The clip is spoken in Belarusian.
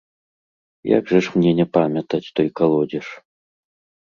Як жа ж не памятаць той калодзеж?